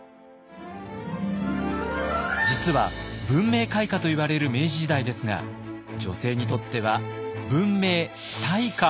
実は文明開化といわれる明治時代ですが女性にとっては文明退化？